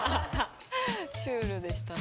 シュールでしたね。